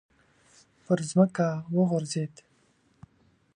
پر ځمکه وغورځېد.